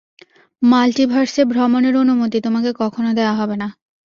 মাল্টিভার্সে ভ্রমণের অনুমতি তোমাকে কখনো দেয়া হবে না।